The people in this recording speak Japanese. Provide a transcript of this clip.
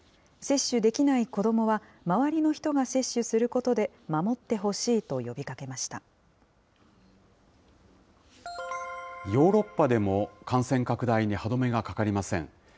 接種できない子どもは、周りの人が接種することで守ってほしいとヨーロッパでも、感染拡大に歯止めがかかりません。